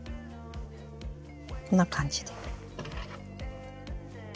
こんな感じで。